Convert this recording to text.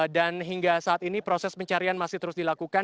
dan hingga saat ini proses pencarian masih terus dilakukan